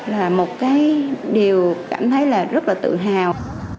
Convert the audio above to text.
là một cái điều cảm thấy là rất là tự hào